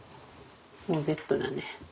もうベッドだね。